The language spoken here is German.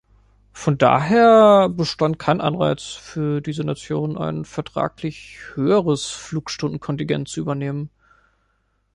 Von daher bestand kein Anreiz für diese Nationen, ein vertraglich höheres Flugstunden-Kontingent zu übernehmen.